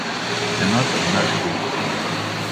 Сенатор – наш гость.